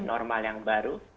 normal yang baru